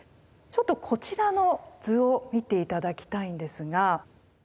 ちょっとこちらの図を見て頂きたいんですが。